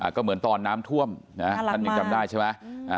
ก็เหมือนตอนน้ำท่วมท่านยังจำได้ใช่ไหม